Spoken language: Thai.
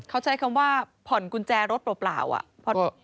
เขาใช้คำว่าผ่อนกุญแจรถหรือเปล่า